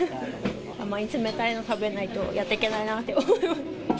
甘い冷たいのを食べないとやってけないなって思います。